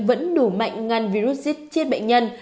vẫn đủ mạnh ngăn virus chết bệnh nhân